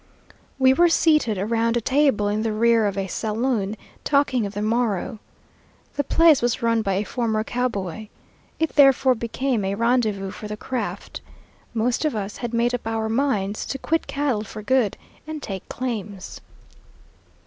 We were seated around a table in the rear of a saloon talking of the morrow. The place was run by a former cowboy. It therefore became a rendezvous for the craft. Most of us had made up our minds to quit cattle for good and take claims.